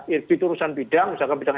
irbit itu urusan bidang misalkan bidang